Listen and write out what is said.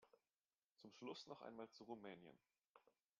Zum Schluss noch einmal zu Rumänien.